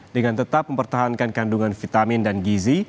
dengan tetap mempertahankan kandungan vitamin dan gizi